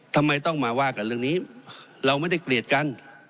ทำไมต้องมาว่ากันเรื่องนี้เราไม่ได้เกลียดกัน